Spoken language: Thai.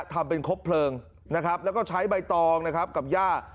ทำเป็นครบเพลิงนะครับแล้วก็ใช้ใบตองนะครับกับย่า